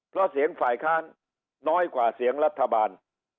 เพราะเสียงฝ่ายค้านน้อยกว่าเสียงรัฐบาล